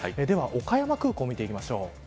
では岡山空港を見てみましょう。